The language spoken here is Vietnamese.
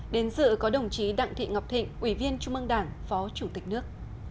đến dự có đồng chí đặng thị ngọc thịnh ủy viên trung mương đảng phó chủ tịch nước